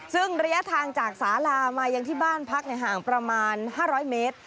ซึ่งระยะทางจากสาลามายังที่บ้านพักห่างประมาณ๕๐๐เมตร